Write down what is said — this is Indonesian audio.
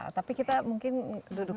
tapi kita mungkin duduk